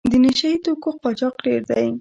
د نشه یي توکو قاچاق ډېر دی.